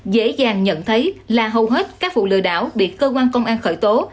dễ dàng nhận thấy là hầu hết các vụ lừa đảo bị cơ quan công an khởi tố